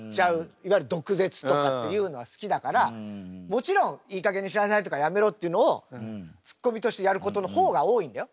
いわゆる毒舌とかっていうのは好きだからもちろん「いいかげんにしなさい」とか「やめろ」っていうのをツッコミとしてやることの方が多いんだよ？